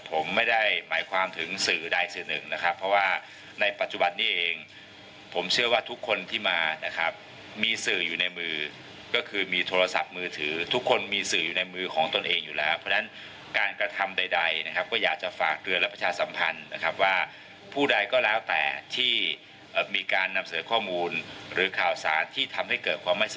ผมไม่ได้หมายความถึงสื่อใดสื่อหนึ่งนะครับเพราะว่าในปัจจุบันนี้เองผมเชื่อว่าทุกคนที่มานะครับมีสื่ออยู่ในมือก็คือมีโทรศัพท์มือถือทุกคนมีสื่ออยู่ในมือของตนเองอยู่แล้วเพราะฉะนั้นการกระทำใดนะครับก็อยากจะฝากเตือนและประชาสัมพันธ์นะครับว่าผู้ใดก็แล้วแต่ที่มีการนำเสนอข้อมูลหรือข่าวสารที่ทำให้เกิดความไม่ส